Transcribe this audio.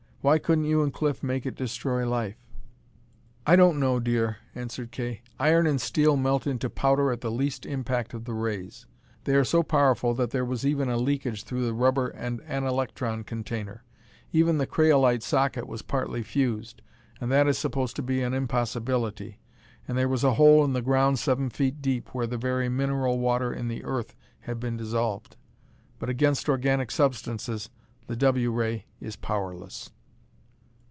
Why couldn't you and Cliff make it destroy life?" "I don't know, dear," answered Kay. "Iron and steel melt into powder at the least impact of the rays. They are so powerful that there was even a leakage through the rubber and anelektron container. Even the craolite socket was partly fused, and that is supposed to be an impossibility. And there was a hole in the ground seven feet deep where the very mineral water in the earth had been dissolved. But against organic substances the W ray is powerless.